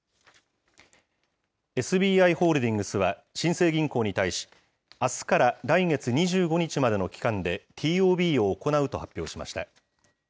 ＳＢＩホールディングスは新生銀行に対し、あすから来月２５日までの期間でＴＯＢを行うと発表しました。